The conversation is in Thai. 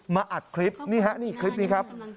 อัดคลิปนี่ฮะนี่คลิปนี้ครับ